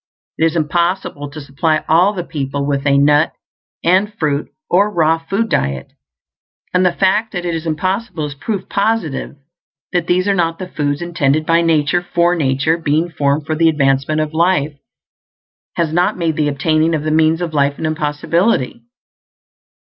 It is impossible to supply all the people with a nut and fruit or raw food diet; and the fact that it is impossible is proof positive that these are not the foods intended by nature, for nature, being formed for the advancement of life, has not made the obtaining of the means of life an impossibility.